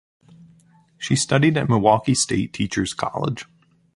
She studied at Milwaukee State Teachers College.